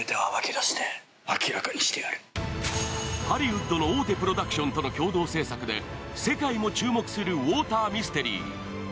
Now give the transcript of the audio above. ハリウッドの大手プロダクションとの共同制作で世界も注目するウォーターミステリー。